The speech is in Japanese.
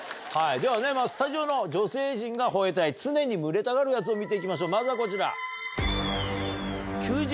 ではスタジオの女性陣が吠えたい常に群れたがるヤツを見て行きましょうまずはこちら。